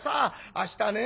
明日ね